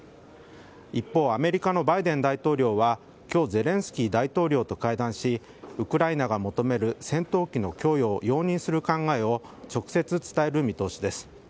一方、アメリカのバイデン大統領は今日ゼレンスキー大統領と会談しウクライナが求める戦闘機の供与を容認する考えを直接伝える見通しです。